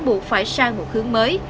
buộc phải sang một hướng mới